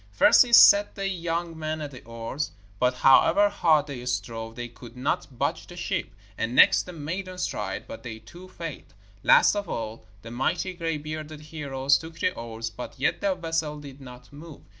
First he set the young men at the oars, but however hard they strove they could not budge the ship. And next the maidens tried, but they too failed. Last of all the mighty gray bearded heroes took the oars, but yet the vessel did not move.